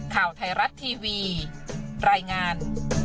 ข่าวไทยรัฐทีวีรายงาน